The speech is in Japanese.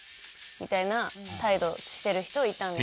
みたいな態度してる人いたんで。